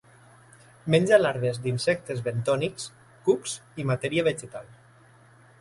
Menja larves d'insectes bentònics, cucs i matèria vegetal.